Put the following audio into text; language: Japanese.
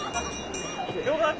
よかった！